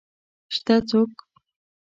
شته څوک؟